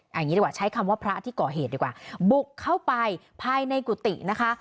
อย่างนี้ดีกว่าใช้คำว่าพระที่ก่อเหตุดีกว่าบุกเข้าไปภายในกุฏินะคะ